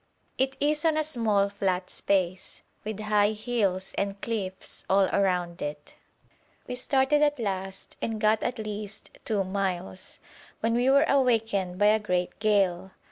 It is on a small flat space, with high hills and cliffs all round it. We started at last, and got at least two miles, when we were awakened by a great gale.